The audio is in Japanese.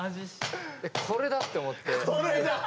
「これだ！」って思って。